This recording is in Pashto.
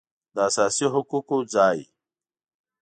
داساسي حقوقو ځای